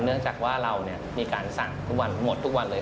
เนื่องจากว่าเรามีการสั่งทุกวันหมดทุกวันเลย